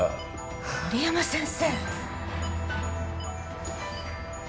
森山先生。